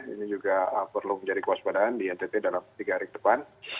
ini juga perlu menjadi kewaspadaan di ntt dalam tiga hari ke depan